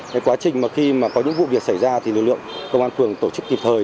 cái quá trình mà khi mà có những vụ việc xảy ra thì lực lượng công an phường tổ chức kịp thời